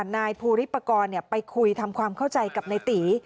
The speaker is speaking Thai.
นายภูริปกรณ์ไปคุยทำความเข้าใจกับนายตี